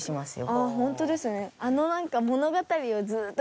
あっホントですね。